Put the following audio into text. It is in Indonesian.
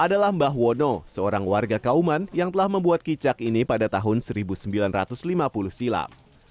adalah mbah wono seorang warga kauman yang telah membuat kicak ini pada tahun seribu sembilan ratus lima puluh silam